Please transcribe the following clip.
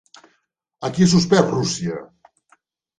A qui ha suspès Rússia?